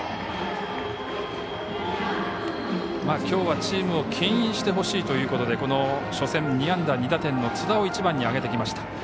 きょうはチームをけん引してほしいということでこの初戦２安打２打点の津田を１番に上げてきました。